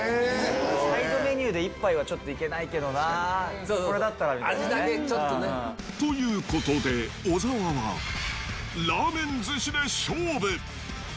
サイドメニューで１杯はちょっといけないけどなぁ、これだっ味だけ、ちょっとね。ということで、小澤はラーメン寿司で勝負。